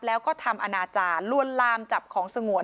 แล้วก็ทำอนาจารย์ลวนลามจับของสงวน